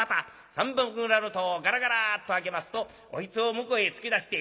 三番蔵の戸をガラガラッと開けますとおひつを向こへ突き出して。